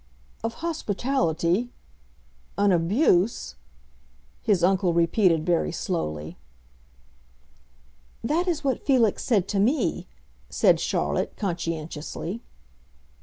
"Of hospitality?—an abuse?" his uncle repeated very slowly. "That is what Felix said to me," said Charlotte, conscientiously.